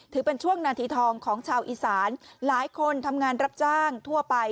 ถือเป็นช่วงนาทีทองของชาวอีสานหลายคนทำงานรับจ้างทั่วไป